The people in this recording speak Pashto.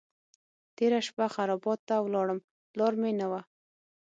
تېره شپه خرابات ته ولاړم لار مې نه وه.